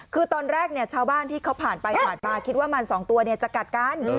คือตอนแรกชาวบ้านที่เขาผ่านไปผ่านมาคิดว่ามันสองตัวจะกัดกัน